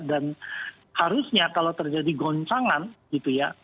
dan harusnya kalau terjadi goncangan gitu ya